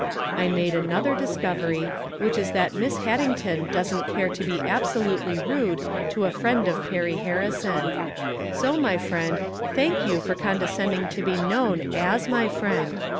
I made another dis covery, which is that Miss Haddington doesn't care to he absolutely rude to a friend of Perry Harrison. So, my friend, thank you for conde scending to be known as my friend.